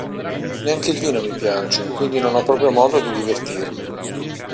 Neanche il vino mi piace, quindi non ho proprio modo di divertirmi.